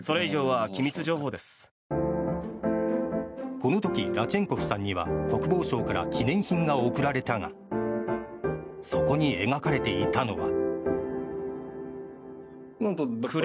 この時、ラチェンコフさんには国防省から記念品が贈られたがそこに描かれていたのは。